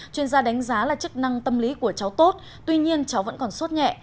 chuyên gia đánh giá là chức năng tâm lý của cháu tốt tuy nhiên cháu vẫn còn suốt nhẹ